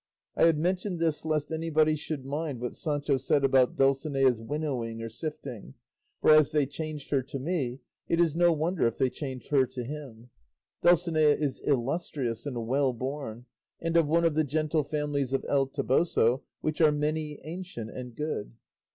I have mentioned this lest anybody should mind what Sancho said about Dulcinea's winnowing or sifting; for, as they changed her to me, it is no wonder if they changed her to him. Dulcinea is illustrious and well born, and of one of the gentle families of El Toboso, which are many, ancient, and good.